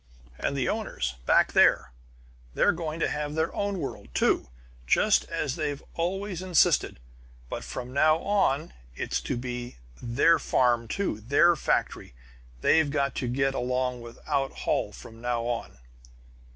"And the owners back there they're going to have their own world, too, just as they've always insisted! But from now on it's to be their farm, too, and their factory; they've got to get along without Holl from now on.